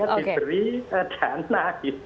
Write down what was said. jika diberi dana